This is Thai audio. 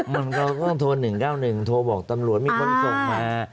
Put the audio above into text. มันก็ต้องโทร๑๙๑โทรบอกตำรวจมีคนส่งมา